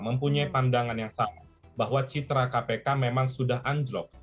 mempunyai pandangan yang sama bahwa citra kpk memang sudah anjlok